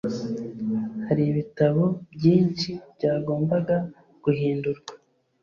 hari ibitabo byinshi byagombaga guhindurwa,